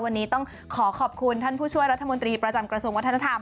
วันนี้ต้องขอขอบคุณท่านผู้ช่วยรัฐมนตรีประจำกระทรวงวัฒนธรรม